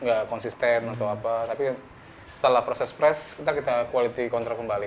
nggak konsisten atau apa tapi setelah proses press kita kita quality control kembali